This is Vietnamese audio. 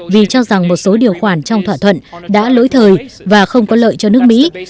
vì cho rằng một số điều khoản trong thỏa thuận đã lỗi thời và không có lợi cho nước mỹ